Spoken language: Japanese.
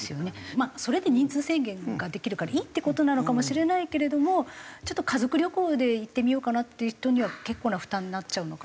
まあそれで人数制限ができるからいいって事なのかもしれないけれどもちょっと家族旅行で行ってみようかなっていう人には結構な負担になっちゃうのかな。